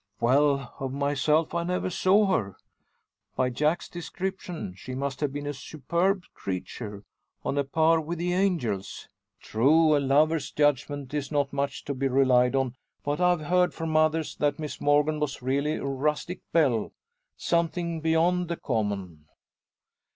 "Well, of myself I never saw her. By Jack's description she must have been a superb creature on a par with the angels. True, a lover's judgment is not much to be relied on, but I've heard from others, that Miss Morgan was really a rustic belle something beyond the common."